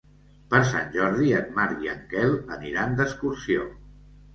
Per Sant Jordi en Marc i en Quel aniran d'excursió.